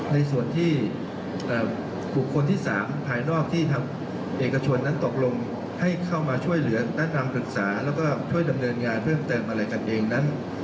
ในส่วนที่บุคคลที่๓ภายนอกที่ทางเอกชนนั้นตกลงให้เข้ามาช่วยเหลือและคำปรึกษาแล้วก็ช่วยดำเนินงานเพิ่มเติมอะไรกันเองนั้น